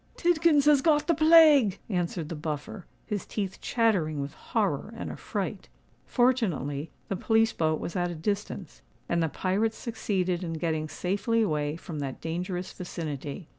"Tidkins has got the plague," answered the Buffer, his teeth chattering with horror and affright. Fortunately the police boat was at a distance; and the pirates succeeded in getting safely away from that dangerous vicinity.